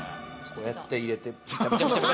こうやって入れて。